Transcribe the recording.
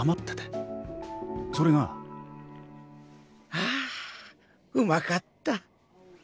ああうまかった！